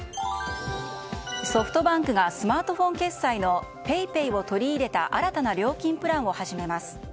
ソフトバンクがスマートフォン決済のＰａｙＰａｙを取り入れた新たな料金プランを始めます。